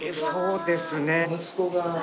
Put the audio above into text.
そうですね。